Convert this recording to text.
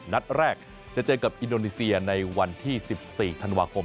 นัดแรกจะเจอกับอินโดนีเซียในวันที่๑๔ธันวาคม